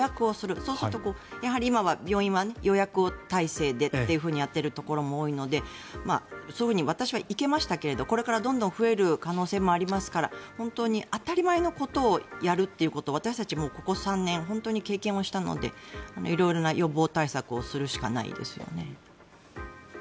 そうすると今は病院は予約体制でやっているところも多いのでそういうふうに私は行けましたけどこれからどんどん増える可能性がありますから本当に当たり前のことをやるということを私たちここ３年経験したので色々な予防対策をするしかないですよね。